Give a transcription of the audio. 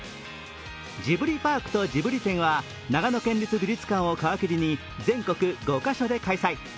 「ジブリパークとジブリ展」は長野県立美術館を皮切りに全国５カ所で開催。